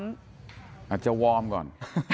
อาจจะวอร์มก่อน